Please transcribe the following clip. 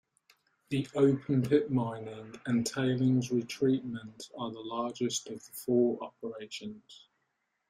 The open pit mining and tailings re-treatment are the largest of the four operations.